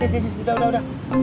tis udah udah